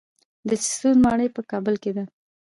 د چهلستون ماڼۍ په کابل کې ده